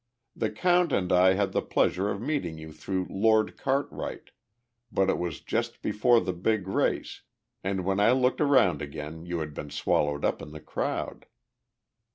The count and I had the pleasure of meeting you through Lord Cartwright, but it was just before the big race, and when I looked around again you had been swallowed up in the crowd."